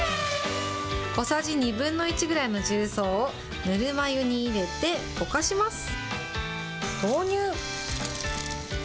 小さじ２分の１ぐらいの重曹をぬるま湯に入れて、溶かします。